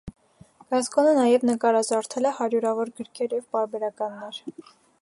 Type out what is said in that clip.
Գասկոնը նաև նկարազարդել է հարյուրավոր գրքեր և պարբերականներ։